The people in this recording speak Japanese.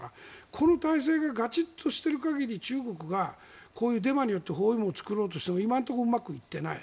この体制がガチっとしている限り中国がこういうデマによって包囲網を作ろうとしても今のところうまくいっていない。